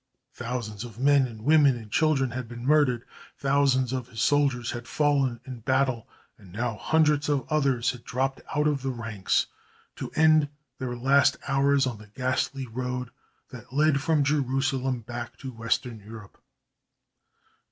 Thousands of men, women and children had been murdered, thousands of his soldiers had fallen in battle, and now hundreds of others had dropped out of the ranks to end their last hours on the ghastly road that led from Jerusalem back to western Europe.